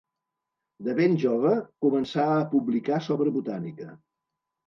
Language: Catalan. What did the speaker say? De ben jove començà a publicar sobre botànica.